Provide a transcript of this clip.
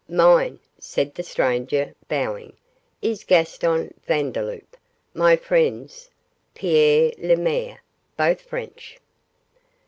'Mine,' said the stranger, bowing, 'is Gaston Vandeloup, my friend's Pierre Lemaire both French.